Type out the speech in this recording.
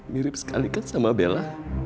mirip sekali kan sama bella